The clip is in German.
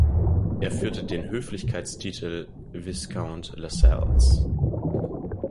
Er führte den Höflichkeitstitel "Viscount Lascelles".